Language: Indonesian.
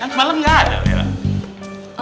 kan semalam gak ada laila